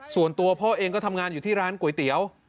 ส่วนตัวพ่อเองก็ทำงานอยู่ที่ร้านก๋วยเตี๋ยว